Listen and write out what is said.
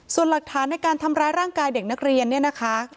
ส่วนหลักฐานในการทำร้ายร่างกายเด็กนักเรียนเนี่ยนะคะ